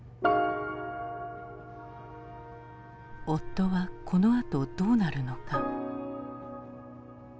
「夫はこのあとどうなるのか」。